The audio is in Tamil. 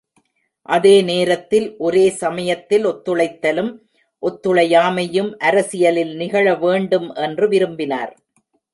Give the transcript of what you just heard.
அதே நேரத்தில், ஒரே சமயத்தில் ஒத்துழைத்தலும், ஒத்துழையாமையும் அரசியலில் நிகழ வேண்டும் என்று விரும்பினார்.